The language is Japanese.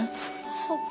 そっか。